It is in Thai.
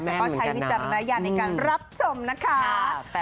แต่ก็ใช้วิจันทรายงานในการรับชมนะคะ